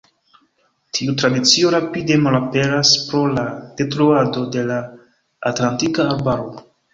Tiu tradicio rapide malaperas pro la detruado de la atlantika arbaro.